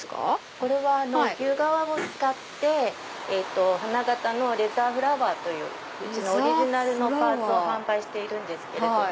これは牛革を使って花形のレザーフラワーといううちのオリジナルのパーツを販売しているんですけれども。